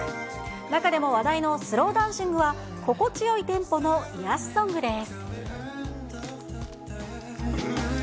中でも話題のスローダンシングは、快いテンポの癒やしソングです。